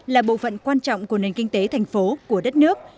là bộ phận quan trọng của nền kinh tế thành phố của đất nước